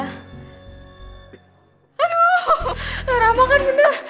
aduh rahma kan bener